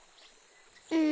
うん。